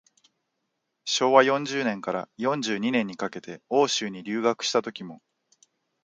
明治四十年から四十二年にかけて欧州に留学したときも、